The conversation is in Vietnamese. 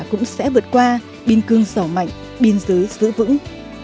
cũng sẽ vượt qua biên cương sầu mạnh biên giới giữ vững